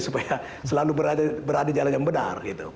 supaya selalu berada di jalan yang benar